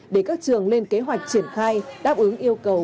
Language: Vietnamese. để các trường lên kế hoạch triển khai đáp ứng yêu cầu